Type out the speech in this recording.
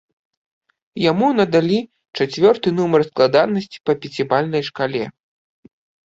Яму надалі чацвёрты нумар складанасці па пяцібальнай шкале.